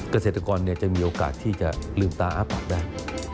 เกษตรกรจะมีโอกาสที่จะลืมตาอ้าปากได้